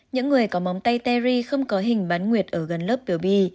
những người có móng tay terry không có hình bán nguyệt ở gần lớp biểu bì